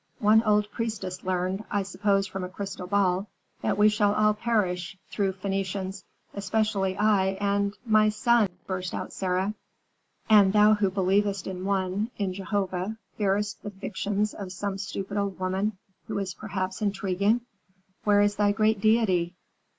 One old priestess learned, I suppose from a crystal ball, that we shall all perish through Phœnicians, especially I and my son," burst out Sarah. "And thou who believest in One, in Jehovah, fearest the fictions of some stupid old woman who is perhaps intriguing? Where is thy great Deity?"